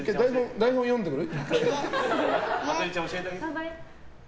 台本読んでくる？